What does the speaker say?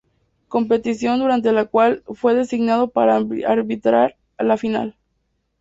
Competición durante la cual fue designado para arbitrar la final.